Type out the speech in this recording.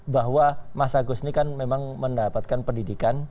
bahwa mas agus ini kan memang mendapatkan pendidikan